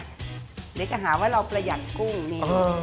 เดี๋ยวจะหาว่าเราประหยัดกุ้งมี